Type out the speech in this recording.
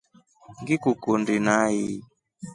Ngikukundi nai.